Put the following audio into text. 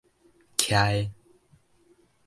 徛的